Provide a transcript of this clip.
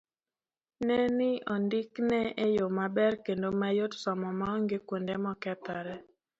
Ne ni ondike e yo maber kendo mayot somo ma onge kuonde mokethore